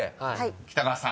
［北川さん